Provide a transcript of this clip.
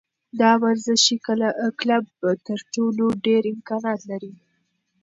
دا ورزشي کلب تر ټولو ډېر امکانات لري.